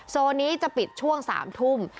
โซนนี้จะปิดช่วง๓ทุ่ม